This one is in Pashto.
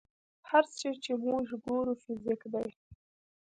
هر څه چې موږ ګورو فزیک دی.